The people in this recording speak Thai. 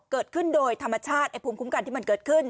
เกิดขึ้นโดยธรรมชาติไอ้ภูมิคุ้มกันที่มันเกิดขึ้น